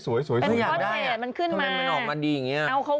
สวยสวยสวยทำไมมันออกมาดีอย่างนี้